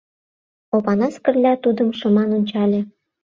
Опанас Кырля тудым шыман ончале.